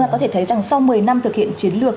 có thể thấy rằng sau một mươi năm thực hiện chiến lược